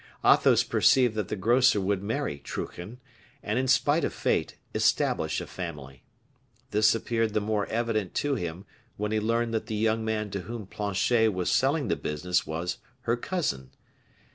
Athos perceived that the grocer would marry Truchen, and, in spite of fate, establish a family. This appeared the more evident to him when he learned that the young man to whom Planchet was selling the business was her cousin.